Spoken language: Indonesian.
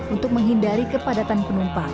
untuk menghindari kepadatan penumpang